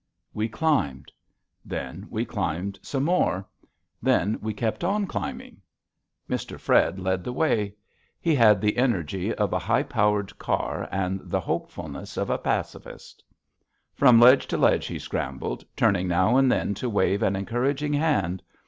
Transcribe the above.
We climbed. Then we climbed some more. Then we kept on climbing. Mr. Fred led the way. He had the energy of a high powered car and the hopefulness of a pacifist. From ledge to ledge he scrambled, turning now and then to wave an encouraging hand.